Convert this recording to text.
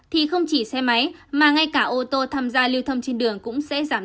thì không chỉ xe máy mà ngay cả ô tô tham gia lưu thông trên đường cũng sẽ giảm đi